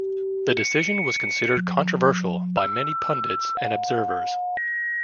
The decision was considered controversial by many pundits and observers.